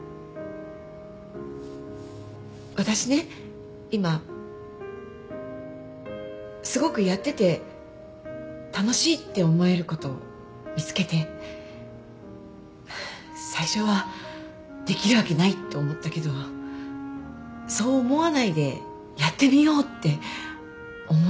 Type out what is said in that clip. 私ね今すごくやってて楽しいって思えること見つけて最初はできるわけないって思ったけどそう思わないでやってみようって思えるようになったの。